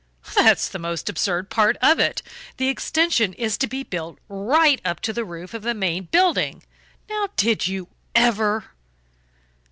"That's the most absurd part of it. The extension is to be built right up to the roof of the main building; now, did you ever?"